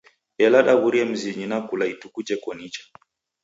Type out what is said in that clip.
Ela daw'urie mzinyi na kula ituku jeko nicha.